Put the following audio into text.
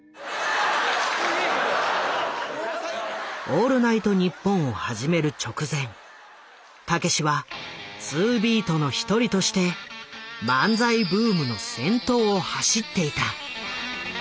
「オールナイトニッポン」を始める直前たけしはツービートの一人として漫才ブームの先頭を走っていた。